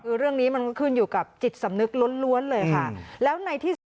คือเรื่องนี้มันก็ขึ้นอยู่กับจิตสำนึกล้วนล้วนเลยค่ะแล้วในที่สุด